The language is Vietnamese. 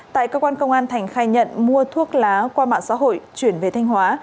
tại cơ quan công an thành khai nhận mua thuốc lá qua mạng xã hội chuyển về thanh hóa